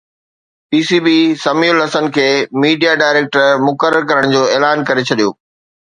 P C B Sami ul Hasan کي media director مقرر ڪرڻ جو اعلان ڪري ڇڏيو